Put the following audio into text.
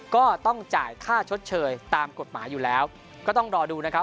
ก็ต้องจ่ายค่าชดเชยตามกฎหมายอยู่แล้วก็ต้องรอดูนะครับ